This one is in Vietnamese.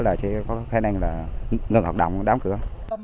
là chỉ có khá năng là ngừng hoạt động đóng cửa